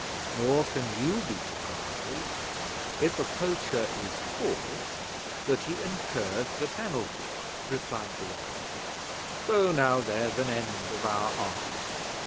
"Nor can you be surprised, if a poacher is caught, that he incurs the penalty," replied the Roundhead. "So now there's an end of our argument.